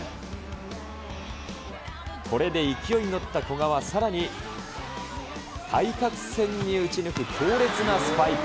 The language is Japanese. これで勢いに乗った古賀はさらに、対角線に打ち抜く強烈なスパイク。